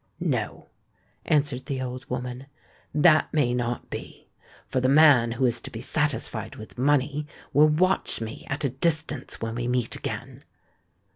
"No," answered the old woman; "that may not be, for the man who is to be satisfied with money will watch me at a distance when we meet again.